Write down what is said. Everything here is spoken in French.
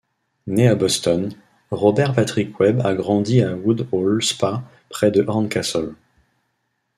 Né à Boston, Robert Patrick Webb a grandi à Woodhall Spa près de Horncastle.